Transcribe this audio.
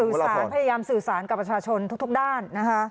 สารพยายามสื่อสารกับประชาชนทุกด้านนะคะ